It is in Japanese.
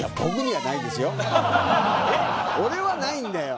俺はないんだよ。